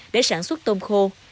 để sản xuất tôm khô